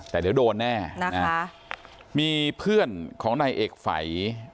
แต่เดี๋ยวโดนแน่นะคะมีเพื่อนของนายเอกฝัย